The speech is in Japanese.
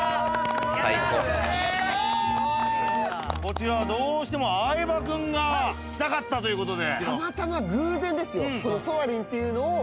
こちらはどうしても相葉君が来たかったということで。